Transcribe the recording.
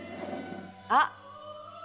あっ。